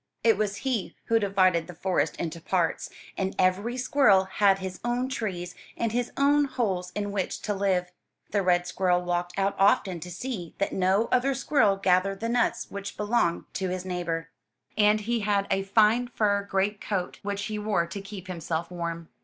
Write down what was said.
It was he who divided the forest into parts, and every squirrel had his own trees and his own holes in which to live. The red squirrel walked out often to see that no other squirrel gathered the nuts which belonged to 103 MY BOOK HOUSE his neighbor, and he had a fine fur great coat which he wore to keep himself warm.